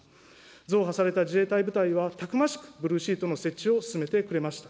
増派された自衛隊部隊は、たくましくブルーシートの設置を進めてくれました。